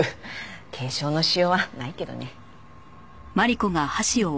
検証のしようはないけどね。